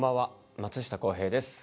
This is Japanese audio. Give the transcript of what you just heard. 松下洸平です。